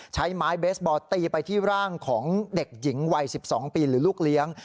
ใช้ไม้เบสบอลตีไปที่ร่างของเด็กหญิงวัย๑๒ปีหรือลูกเลี้ยง